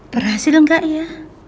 berhasil nggak ya